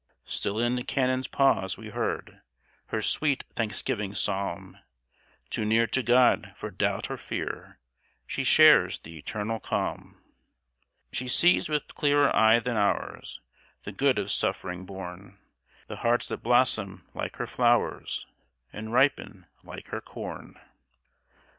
"Still in the cannon's pause we hear Her sweet thanksgiving psalm; Too near to God for doubt or fear, She shares the eternal calm. "She sees with clearer eye than ours The good of suffering born, The hearts that blossom like her flowers, And ripen like her corn."